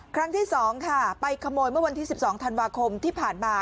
ครั้งที่๒ค่ะไปขโมยเมื่อวันที่๑๒ธันวาคมที่ผ่านมา